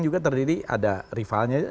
juga terdiri ada rivalnya